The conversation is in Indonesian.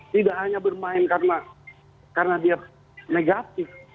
tidak hanya bermain karena dia negatif